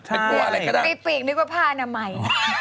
ใช่ครับปีกนึกว่าผ้อนำไหน